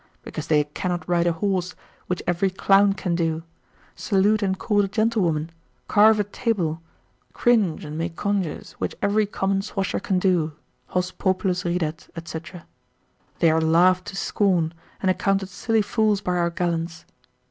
Because they cannot ride a horse, which every clown can do; salute and court a gentlewoman, carve at table, cringe and make conges, which every common swasher can do, hos populus ridet, &c., they are laughed to scorn, and accounted silly fools by our gallants.